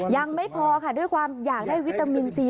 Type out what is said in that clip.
ยังไม่พอค่ะด้วยความอยากได้วิตามินซี